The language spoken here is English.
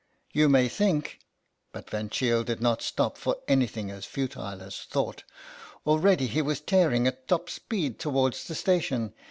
You may think " But Van Cheele did not stop for anything as futile as thought. Already he was tearing at top speed towards the station.